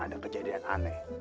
ada kejadian aneh